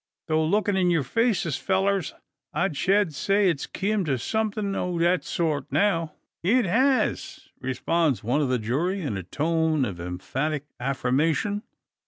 Tho lookin' in yur faces, fellurs, I shed say it's kim to somethin' o' that sort now." "It has!" responds one of the jury, in a tone of emphatic affirmation.